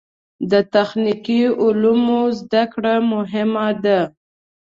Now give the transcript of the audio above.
د تخنیکي علومو زده کړه مهمه ده.